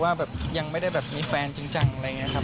แต่ก็แบบว่ายังไม่ได้แบบมีแฟนจริงอะไรอย่างนี้ครับ